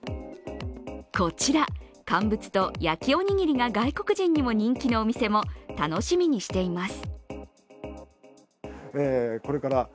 こちら、乾物と焼きおにぎりが外国人にも人気のお店も楽しみにしています。